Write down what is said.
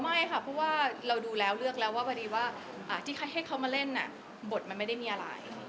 ไม่ค่ะเพราะว่าเราดูแล้วเลือกแล้วว่าพอดีว่าที่ให้เขามาเล่นบทมันไม่ได้มีอะไร